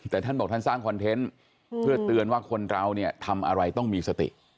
แต่ท่านบอกท่านสร้างคอนเทนต์เพื่อเตือนว่าคนเราเนี่ยทำอะไรต้องมีสติ